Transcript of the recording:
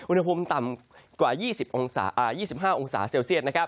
อุณหภูมิต่ำกว่า๒๕องศาเซลเซียต